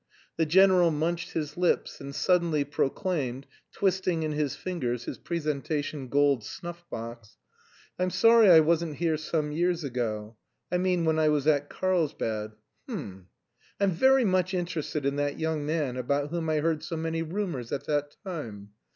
The general munched his lips, and suddenly proclaimed, twisting in his fingers his presentation gold snuff box. "I'm sorry I wasn't here some years ago... I mean when I was at Carlsbad... H'm! I'm very much interested in that young man about whom I heard so many rumours at that time.